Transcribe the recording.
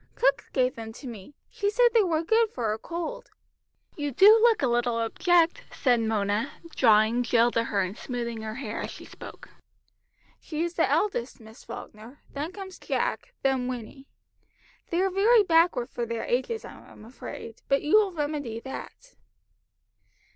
Cook gave them to me. She said they were good for a cold." "You do look a little object," said Mona, drawing Jill to her, and smoothing her hair as she spoke. "She is the eldest, Miss Falkner, then comes Jack, then Winnie. They are very backward for their ages, I am afraid, but you will remedy that."